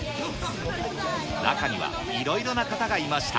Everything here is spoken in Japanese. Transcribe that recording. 中にはいろいろな方がいました。